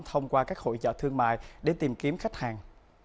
thông qua các hội trợ thương mại để tìm kiếm khách hàng